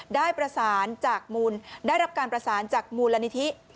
ได้ประสานจากมูลได้รับการประสานจากมูลนิธิ